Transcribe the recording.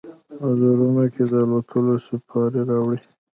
وزرونو کې، د الوتلو سیپارې راوړي